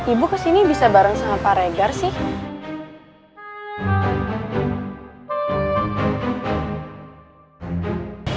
ibu ke sini bisa bareng sama pak regar sih